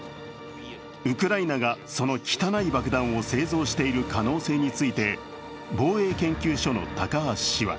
ウクライナがその汚い爆弾を製造している可能性について防衛研究所の高橋氏は